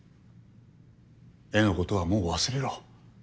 絵のことはもう忘れろ。